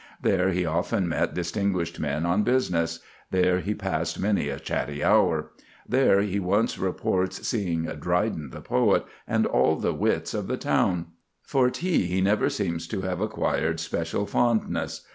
There he often met distinguished men on business; there he passed many a chatty hour; there he once reports seeing "Dryden the poet ... and all the wits of the town." For tea he never seems to have acquired special fondness.